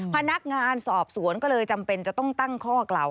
พนักงานสอบสวนก็เลยจำเป็นจะต้องตั้งข้อกล่าว